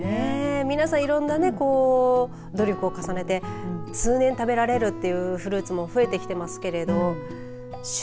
皆さんいろんな努力を重ねて通年食べられるというフルーツも増えてきていますけど旬